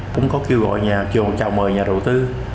cũng có kêu gọi nhà trường chào mời nhà đầu tư